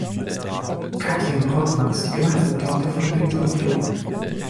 Katrin Brockmann ist die gemeinsame Tochter von Peter und Lore.